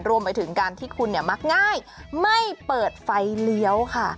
รวมไปถึงการที่คุณเนี่ยมักง่ายไม่เปิดไฟเลี้ยวค่ะ